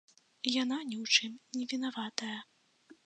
Яна ні ў чым не вінаватая.